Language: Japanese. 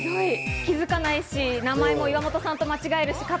気付かないし、名前も岩本さんと間違えますし。